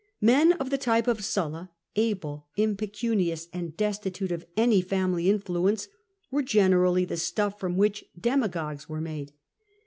Men of the type of Sulla, able, impecunious, and desti tute of any family influence, were generally the stuff from which demagogues were made.